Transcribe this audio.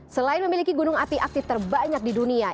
selain memiliki gunung api aktif terbanyak di dunia